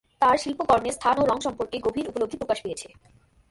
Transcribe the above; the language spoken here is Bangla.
তাঁর শিল্পকর্মে স্থান ও রং সম্পর্কে গভীর উপলব্ধি প্রকাশ পেয়েছে।